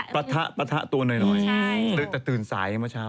ปะทะตัวหน่อยแต่ตื่นสายเมื่อเช้า